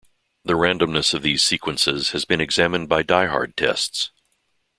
The randomness of these sequences has been examined by diehard tests.